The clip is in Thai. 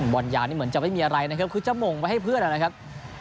บอลยาวนี่เหมือนจะไม่มีอะไรนะครับคือจะหม่งไปให้เพื่อนนะครับ